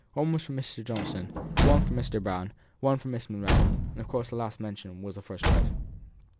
One was from Mr. Johnson, one from Mr. Brown, one from Miss Monro; of course the last mentioned was the first read.